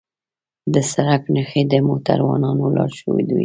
د سړک نښې د موټروانو لارښودوي.